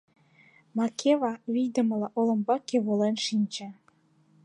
Макева вийдымыла олымбаке волен шинче.